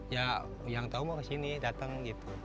ya yang tau mau kesini datang gitu